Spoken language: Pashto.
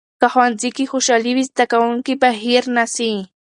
که ښوونځي کې خوشالي وي، زده کوونکي به هیر نسي.